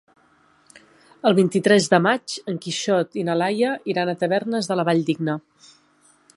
El vint-i-tres de maig en Quixot i na Laia iran a Tavernes de la Valldigna.